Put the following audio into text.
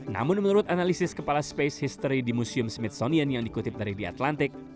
namun menurut analisis kepala space history di museum smith sonion yang dikutip dari di atlantik